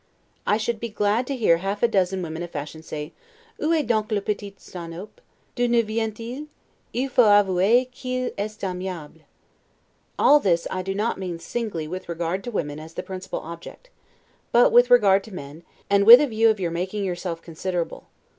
I should be glad to hear half a dozen women of fashion say, 'Ou est donc le petit Stanhope? due ne vient il? Il faut avouer qu'il est aimable'. All this I do not mean singly with regard to women as the principal object; but, with regard to men, and with a view of your making yourself considerable.